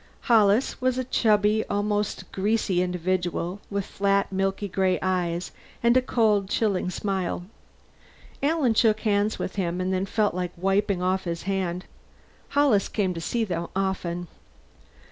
Hollis was a chubby, almost greasy individual with flat milky gray eyes and a cold, chilling smile. Alan shook hands with him, and then felt like wiping off his hand. Hollis came to see them often.